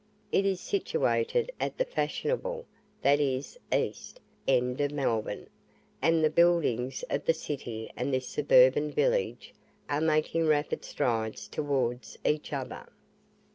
It is situated at the fashionable that is, EAST end of Melbourne, and the buildings of the city and this suburban village are making rapid strides towards each other.